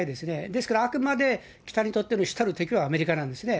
ですから、あくまで北にとっての主たる敵はアメリカなんですね。